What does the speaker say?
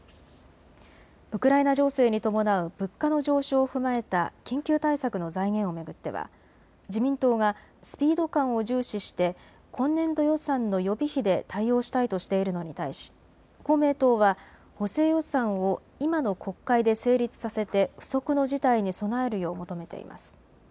ウクライナ情勢に伴う物価の上昇を踏まえた緊急対策の財源を巡っては自民党がスピード感を重視して今年度予算の予備費で対応したいとしているのに対し公明党は、補正予算を今の国会で成立させて不測の事態に備えるよう求めています。